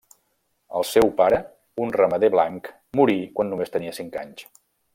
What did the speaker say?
El seu pare, un ramader blanc, morí quan només tenia cinc anys.